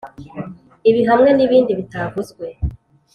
Ibi hamwe nibindi bitavuzwe